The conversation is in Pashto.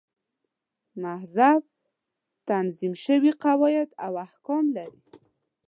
مذهب تنظیم شوي قواعد او احکام لري.